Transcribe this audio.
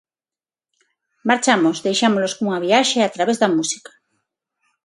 Marchamos, deixámolos cunha viaxe a través da música.